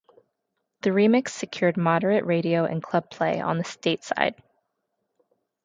The remix secured moderate radio and club play on the Stateside.